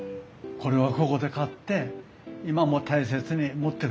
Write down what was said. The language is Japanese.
これはここで買って今も大切に持ってるんです。